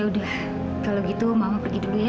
udah kalau gitu mama pergi dulu ya